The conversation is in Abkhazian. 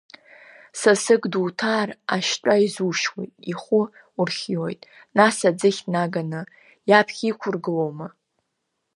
Сасык дуҭаар, ашьтәа изушьуеит, ихәы урхиоит, нас аӡыхь наганы иаԥхьа иқәургылома?!